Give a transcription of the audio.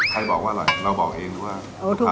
ใครบอกว่าอร่อยเราบอกแบบนี้หรือว่า